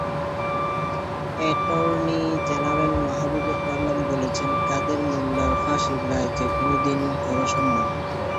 Attorney general Mahbubey Alam বলেছেন, কাদের মোল্লার ফাঁসির রায় যেকোনো দিনই করা সম্ভব।